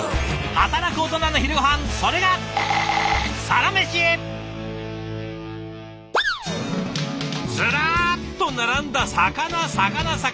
働くオトナの昼ごはんそれがずらっと並んだ魚魚魚！